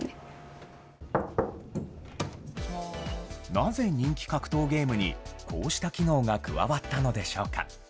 なぜ人気格闘ゲームに、こうした機能が加わったのでしょうか。